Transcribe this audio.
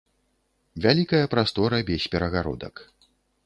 Вялікая прастора без перагародак.